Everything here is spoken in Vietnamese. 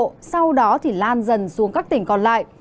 các tỉnh bắc trung bộ thì lan dần xuống các tỉnh còn lại